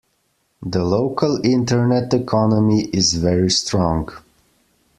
The local internet economy is very strong.